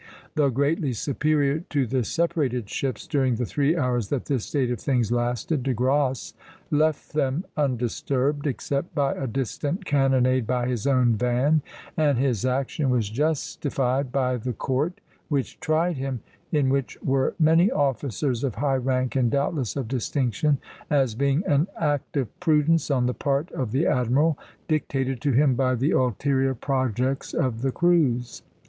Though greatly superior to the separated ships, during the three hours that this state of things lasted, De Grasse left them undisturbed, except by a distant cannonade by his own van; and his action was justified by the court which tried him, in which were many officers of high rank and doubtless of distinction, as being "an act of prudence on the part of the admiral, dictated to him by the ulterior projects of the cruise."